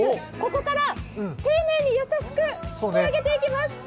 ここから丁寧に優しく上げていきます。